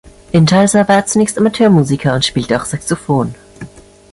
In Tulsa war er zunächst Amateurmusiker und spielte auch Saxophon.